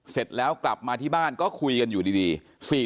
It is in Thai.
เสร็จแล้วกลับมาที่บ้านก็คุยกันอยู่ดี